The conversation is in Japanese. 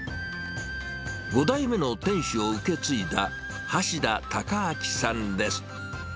５代目の店主を受け継いだ、橋田高明さんです。